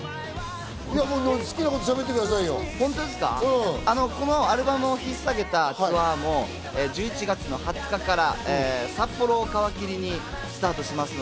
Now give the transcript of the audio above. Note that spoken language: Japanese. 好きなことしゃべってくださこのアルバムを引っさげたツアーも１１月の２０日から札幌を皮切りにスタートします。